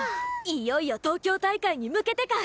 いよいよ東京大会に向けてか。